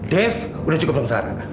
dev udah cukup sengsara